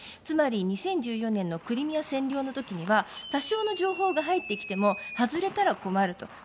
つまり２０１４年のクリミア占領の時には多少の情報が入ってきても外れたら困ると。